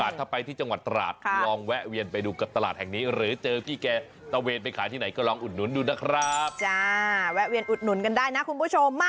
ถ้าไปที่จังหวัดตลาดอุดหนุนนะครับ